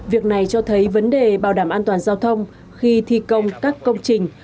việc này cho thấy vấn đề bảo đảm an toàn giao thông khi thi công các công trình